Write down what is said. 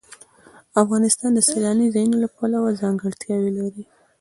افغانستان د سیلاني ځایونو له پلوه ځانګړتیاوې لري.